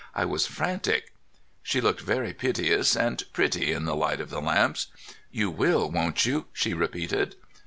I was frantic." She looked very piteous and pretty in the light of the lamps. "You will, won't you?" she repeated.